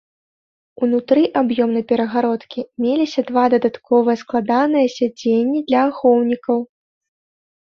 Унутры аб'ёмнай перагародкі меліся два дадатковыя складаныя сядзенні для ахоўнікаў.